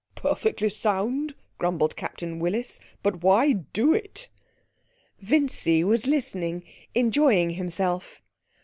('Perfectly sound!' grumbled Captain Willis, 'but why do it?') Vincy was listening, enjoying himself.